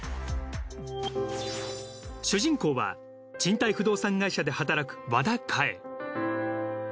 主人公は賃貸不動産会社で働く和田かえ。